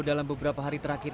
dalam beberapa hari terakhir